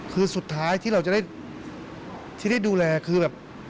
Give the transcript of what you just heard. คือสุดท้ายที่เราจะได้ที่ได้ดูแลคือแบบ